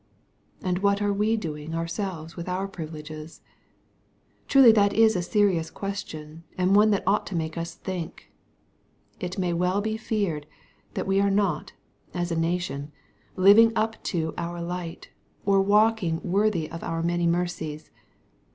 And what are we doing ourselves with our privileges ? Truly that is a serious question, and one that ought to make us think. It may well be feared, that we are not, as a nation, living up to our light, or walking worthy of our many mercies.